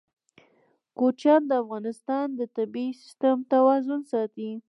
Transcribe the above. کوچیان د افغانستان د طبعي سیسټم توازن ساتي.